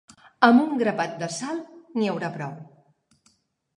Amb un grapat de sal n'hi haurà prou.